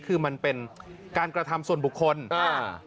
คือมันเป็นการกระทำส่วนบุคคลอ่า